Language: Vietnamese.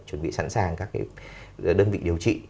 chuẩn bị sẵn sàng các đơn vị điều trị